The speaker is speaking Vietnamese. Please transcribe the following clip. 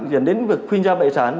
dẫn đến việc khuyên gia bệ sản